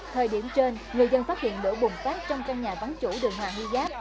thời điểm trên người dân phát hiện lửa bùng phát trong căn nhà vắng chủ đường hoàng huy giáp